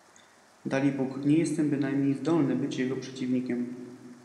"Dalibóg, nie jestem bynajmniej zdolny być jego przeciwnikiem."